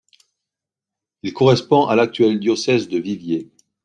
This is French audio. Il correspond à l'actuel diocèse de Viviers.